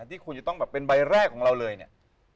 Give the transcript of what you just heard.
ที่คุณจะต้องแบบเป็นใบแรกของเราเลยเนี่ย